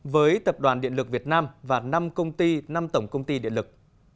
với tập đoàn điện lực việt nam và năm tổng công ty điện lực